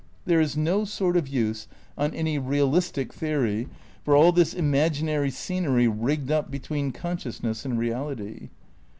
There is no sort of use, on any realistic theory, for all this imaginary scenery rigged up between consciousness and reality.